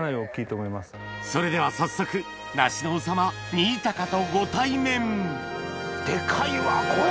それでは早速梨の王様新高とご対面デカいわこれ。